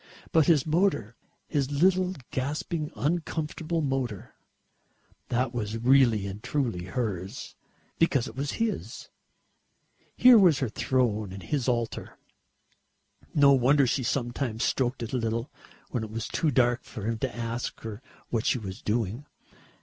But his motor his little gasping uncomfortable motor that was really and truly hers, because it was his. Here was her throne and his altar. No wonder she sometimes stroked it a little, when it was too dark for him to ask her what she was doing.